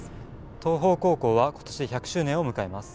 東邦高校は今年で１００周年を迎えます。